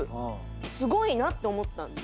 すごいなって思ったんで。